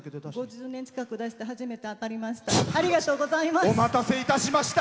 ５０年近く出して初めて当たりました。